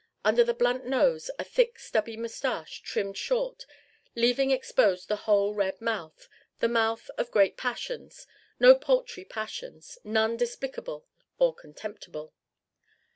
Under the blunt nose a thick stubby mustache trimmed short, leaving exposed the whole red mouth the mouth of great passions no paltry passions none despicable or contemptible.